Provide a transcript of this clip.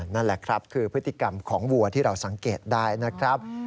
นั่นแหละครับคือพฤติกรรมของวัวที่เราสังเกตได้นะครับ